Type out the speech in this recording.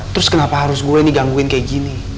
terus kenapa harus gue digangguin kayak gini